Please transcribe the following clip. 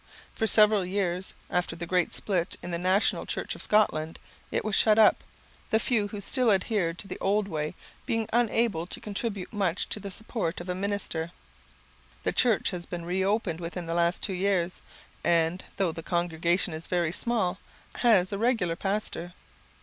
For several years after the great split in the National Church of Scotland, it was shut up, the few who still adhered to the old way being unable to contribute much to the support of a minister. The church has been reopened within the last two years, and, though the congregation is very small, has a regular pastor.